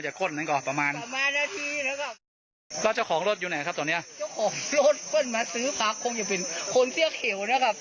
เสียเขียวนะครับมาซื้อเห็ดบอกเช่นสีฟ้าสีเขียว